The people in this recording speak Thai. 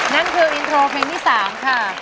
นั่นคืออินโทรเพลงที่๓ค่ะ